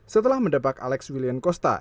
setelah mendapat alex william costa